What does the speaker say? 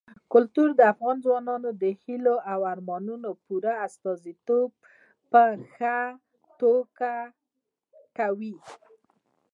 کلتور د افغان ځوانانو د هیلو او ارمانونو پوره استازیتوب په ښه توګه کوي.